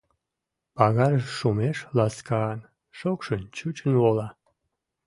Пагарыш шумеш ласкан, шокшын чучын вола.